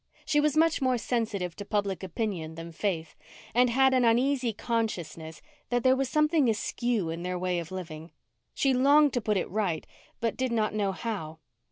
She was much more sensitive to public opinion than Faith, and had an uneasy consciousness that there was something askew in their way of living. She longed to put it right, but did not know how.